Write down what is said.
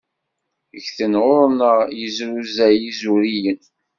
Ggten ɣur-neɣ yizruzaɣ isuriyen.